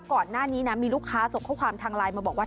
ก่อนหน้านี้นะมีลูกค้าส่งข้อความทางไลน์มาบอกว่า